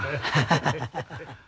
ハハハハハ。